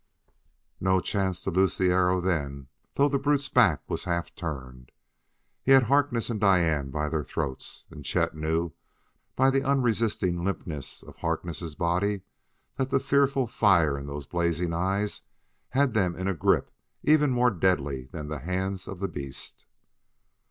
No chance to loose the arrow then, though the brute's back was half turned. He had Harkness and Diane by their throats, and Chet knew by the unresisting limpness of Harkness' body that the fearful fire in those blazing eyes had them in a grip even more deadly than the hands of the beast.